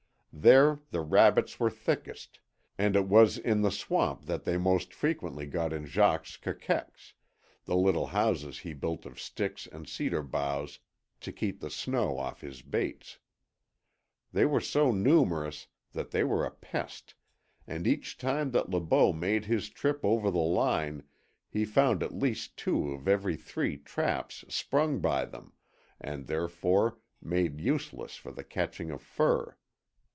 There the rabbits were thickest and it was in the swamp that they most frequently got in Jacques's KEKEKS the little houses he built of sticks and cedar boughs to keep the snow off his baits. They were so numerous that they were a pest, and each time that Le Beau made his trip over the line he found at least two out of every three traps sprung by them, and therefore made useless for the catching of fur.